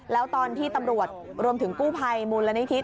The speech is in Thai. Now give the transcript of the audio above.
แล้วตอนที่ตำรวจรวมถึงกู้ภัยมูลนิธิ